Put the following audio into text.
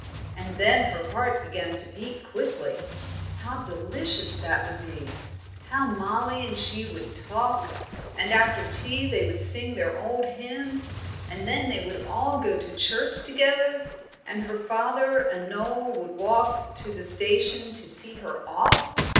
And then her heart began to beat quickly. How delicious that would be! How Mollie and she would talk! And after tea they would sing their old hymns, and then they would all go to church together, and her father and Noel would walk to the station to see her off.